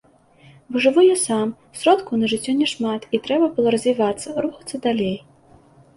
Бо жыву я сам, сродкаў на жыццё няшмат і трэба было развівацца, рухацца далей.